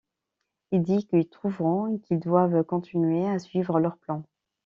Il dit qu'ils trouveront et qu'ils doivent continuer à suivre leur plan.